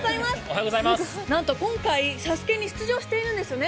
なんと今回「ＳＡＳＵＫＥ」に出場しているんですよね。